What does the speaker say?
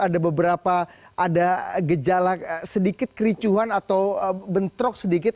ada beberapa ada gejala sedikit kericuhan atau bentrok sedikit